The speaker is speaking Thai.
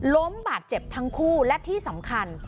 ล้มบาดเจ็บทั้งคู่และที่สำคัญ